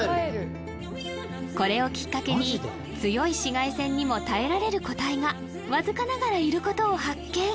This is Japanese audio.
これをきっかけに強い紫外線にも耐えられる個体がわずかながらいることを発見